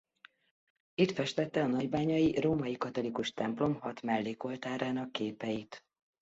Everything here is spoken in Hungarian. Itt festette a nagybányai római katolikus templom hat mellékoltárának képeit.